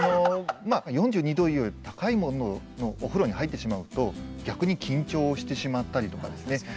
まあ４２度より高い温度のお風呂に入ってしまうと逆に緊張してしまったりとかですね